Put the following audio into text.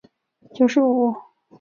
营业时间与泳池相同。